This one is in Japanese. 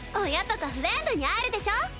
親とかフレンドに会えるでしょ。